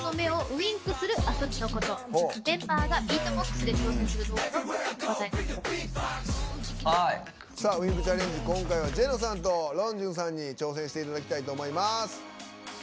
ウインクチャレンジジェノさんとロンジュンさんに挑戦していただきたいと思います。